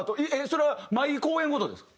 それは毎公演ごとですか？